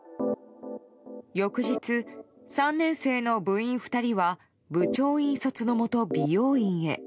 翌日、３年生の部員２人は部長引率のもと、美容院へ。